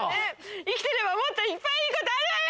生きてればもっといっぱいいいことあるわよ！